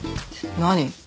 何？